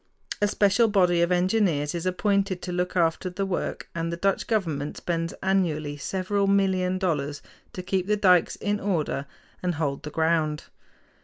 A special body of engineers is appointed to look after the work, and the Dutch government spends annually several million dollars to keep the dikes in order and hold the ground.